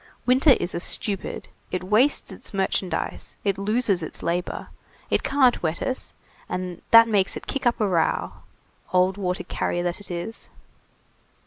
Winter is a stupid; it wastes its merchandise, it loses its labor, it can't wet us, and that makes it kick up a row, old water carrier that it is."